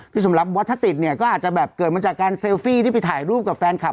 สมรับว่าถ้าติดเนี่ยก็อาจจะแบบเกิดมาจากการเซลฟี่ที่ไปถ่ายรูปกับแฟนคลับ